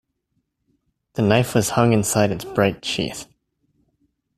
The knife was hung inside its bright sheath.